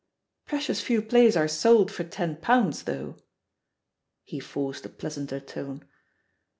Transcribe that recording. "Precious few plays are sold for ten pounds^ though." He forced a pleasanter tone.